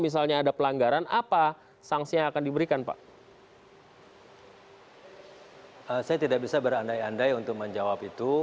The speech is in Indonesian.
saya tidak bisa berandai andai untuk menjawab itu